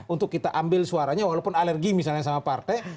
untuk kita ambil suaranya walaupun alergi misalnya sama partai